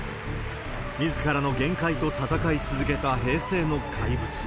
みずからの限界と闘い続けた平成の怪物。